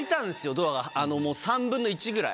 ドアが３分の１ぐらい。